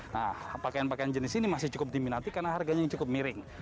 nah pakaian pakaian jenis ini masih cukup diminati karena harganya yang cukup miring